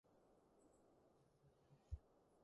劏房嘅住屋問題好嚴重